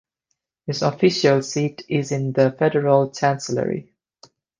His official seat is in the Federal Chancellery.